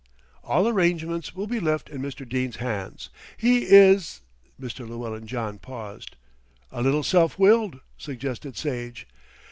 "All arrangements will be left in Mr. Dene's hands. He is " Mr. Lewellyn John paused. "A little self willed," suggested Sage.